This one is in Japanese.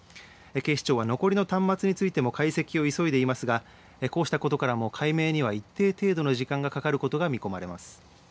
警視庁は残りの端末についても解析を急いでいますが、こうしたことからも解明には一定程度の時間がかかることが見込まれます。